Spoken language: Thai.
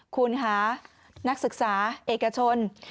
คุณค่ะนักศึกษาเอกชน